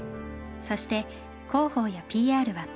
そして広報やＰＲはトムさん。